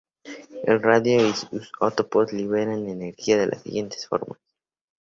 El radio y sus isótopos liberan energía de las siguientes formas.